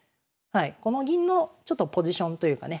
この銀のちょっとポジションというかね